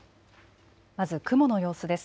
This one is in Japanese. まず雲の様子です。